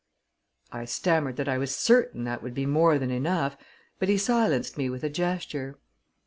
I stammered that I was certain that would be more than enough, but he silenced me with a gesture.